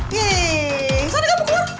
yeay saya gak mau keluar